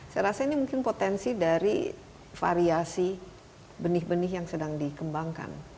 saya rasa ini mungkin potensi dari variasi benih benih yang sedang dikembangkan